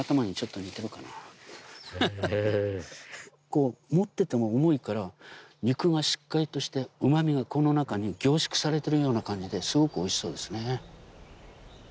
こう持ってても重いから肉がしっかりとしてうまみがこの中に凝縮されてるような感じですごくおいしそうですね。